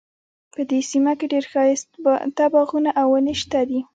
په دې سیمه کې ډیر ښایسته باغونه او ونې شته دي